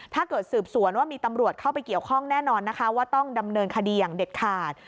สืบสวนว่ามีตำรวจเข้าไปเกี่ยวข้องแน่นอนนะคะว่าต้องดำเนินคดีอย่างเด็ดขาด